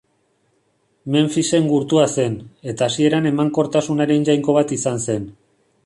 Menfisen gurtua zen, eta hasieran emankortasunaren jainko bat izan zen.